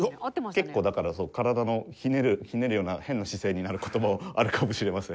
結構だから体をひねるような変な姿勢になる事もあるかもしれません。